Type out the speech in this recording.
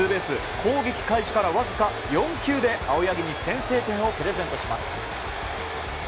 攻撃開始からわずか４球で青柳に先制点をプレゼントします。